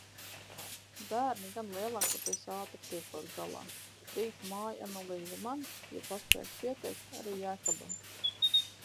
Bērni gan lielākoties ātri tiekot galā. Rīt mājanalīze man, ja paspēšu pieteikt, arī Jēkabam.